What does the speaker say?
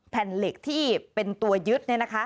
แผ่นเหล็กที่เป็นตัวยึดเนี่ยนะคะ